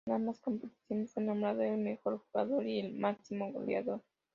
En ambas competiciones fue nombrado el mejor jugador y máximo goleador.